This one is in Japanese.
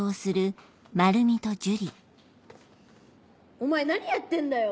お前何やってんだよ！